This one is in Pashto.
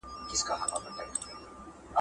سياست تل د بدلون په حال کې نه دی؟